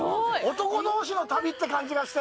男同士の旅って感じがして。